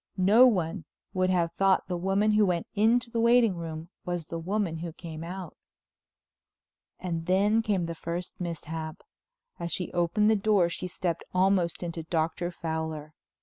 No one would have thought the woman who went into the waiting room was the woman who came out. And then came the first mishap—as she opened the door she stepped almost into Dr. Fowler.